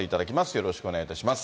よろしくお願いします。